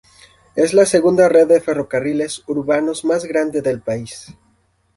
Es la segunda red de ferrocarriles urbanos más grande del país.